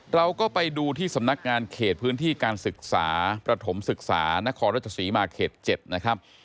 เราก็ไปดูที่สำนักงานเขตพื้นที่การศึกษาประถมศึกษานครรัชศรีมาเขต๗นะครับ